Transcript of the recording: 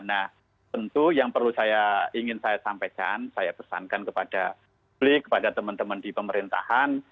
nah tentu yang perlu saya ingin saya sampaikan saya pesankan kepada publik kepada teman teman di pemerintahan